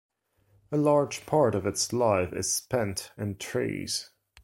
A large part of its live is spent in trees.